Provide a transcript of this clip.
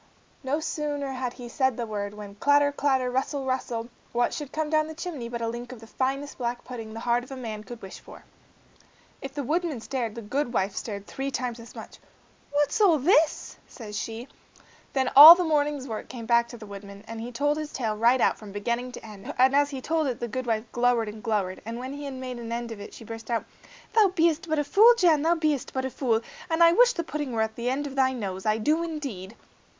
No sooner had he said the word, when clatter, clatter, rustle, rustle, what should come down the chimney but a link of the finest black pudding the heart of man could wish for. If the woodman stared, the goodwife stared three times as much. "What's all this?" says she. Then all the morning's work came back to the woodman, and he told his tale right out, from beginning to end, and as he told it the goodwife glowered and glowered, and when he had made an end of it she burst out, "Thou bee'st but a fool, Jan, thou bee'st but a fool; and I wish the pudding were at thy nose, I do indeed."